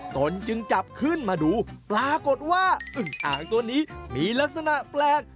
ตนจึงจับขึ้นมาดูปรากฏว่าอึ้งอ่างตัวนี้มีลักษณะแปลก